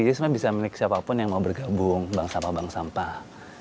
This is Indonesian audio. jadi sebenarnya bisa milik siapa pun yang mau bergabung bank sampah bank sampah